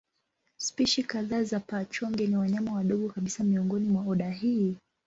Spishi kadhaa za paa-chonge ni wanyama wadogo kabisa miongoni mwa oda hii.